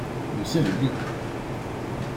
Le ciel est bleu.